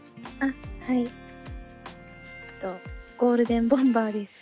んとゴールデンボンバーです。